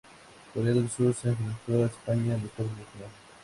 Corea del Sur se enfrentó a España en los cuartos de final.